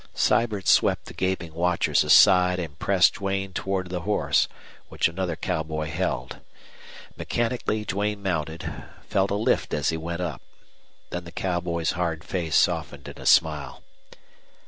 Sibert swept the gaping watchers aside and pressed Duane toward the horse, which another cowboy held. Mechanically Duane mounted, felt a lift as he went up. Then the cowboy's hard face softened in a smile.